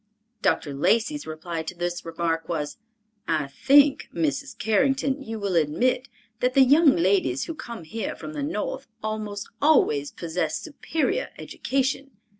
Dr. Lacey's reply to this remark was, "I think, Mrs. Carrington, you will admit that the young ladies who come here from the North almost always possess superior education.